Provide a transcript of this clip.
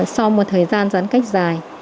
sau một thời gian giãn cách dài